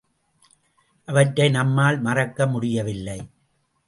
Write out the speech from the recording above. அவற்றை நம்மால் மறக்க முடியவில்லை.